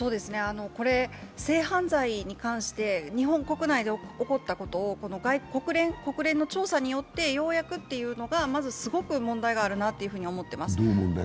これ性犯罪に関して日本国内で起こったことをこの国連の調査によって、ようやくというのがすごく問題があるなというふうに思っています。